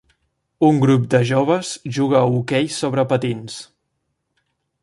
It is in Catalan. Un grup de joves juga a hoquei sobre patins.